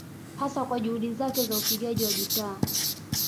Hasa kwa juhudi zake za upigaji wa gitaa